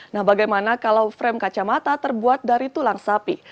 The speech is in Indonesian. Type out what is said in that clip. nah bagaimana kalau frame kacamata terbuat dari tulang sapi